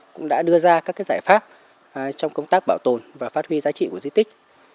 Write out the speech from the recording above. cũng đã đưa ra các giải pháp trong công tác bảo tồn và phát huy giá trị của di tích